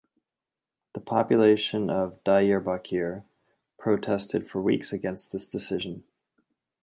The population of Diyarbakir protested for weeks against this decision.